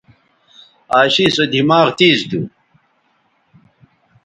عاشی سو دماغ تیز تھو